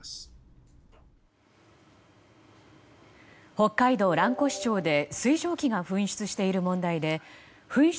北海道蘭越町で水蒸気が噴出している問題で噴出